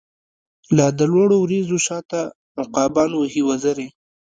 لادلوړو وریځو شاته، عقابان وهی وزری